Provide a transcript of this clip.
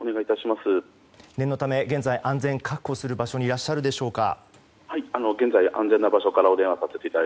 念のため現在、安全な場所にいらっしゃるでしょうか。